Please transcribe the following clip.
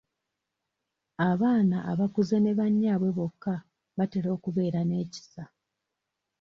Abaana abakuze ne bannyaabwe bokka batera okubeera n'ekisa.